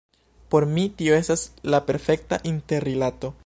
Por mi, tio estas la perfekta interrilato.